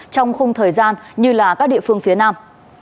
trong khung thời gian như là các địa phương phía nam